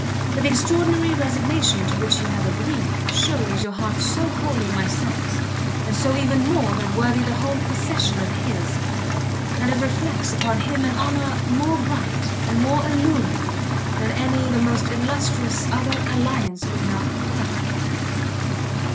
But the extraordinary resignation to which you have agreed, shews your heart so wholly my son's, and so even more than worthy the whole possession of his, that it reflects upon him an honour more bright and more alluring, than any the most illustrious other alliance could now confer.